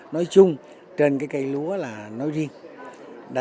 nói chung trên cái cây lúa là nói riêng